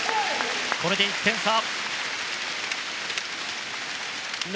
これで１点差。